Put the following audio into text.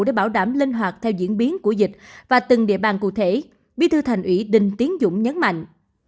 để bảo đảm linh hoạt theo diễn biến của dịch và từng địa bàn cụ thể bí thư thành ủy đình tiến dũng nhấn mạnh